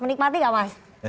menikmati gak mas